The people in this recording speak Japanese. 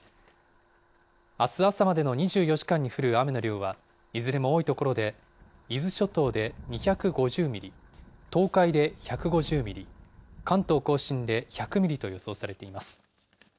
あす朝までの２４時間に降る雨の量は、いずれも多い所で伊豆諸島で２５０ミリ、東海で１５０ミリ、関東甲信で１００ミリと予想されています。